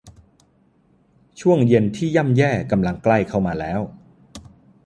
ช่วงเย็นที่ย่ำแย่กำลังใกล้เข้ามาแล้ว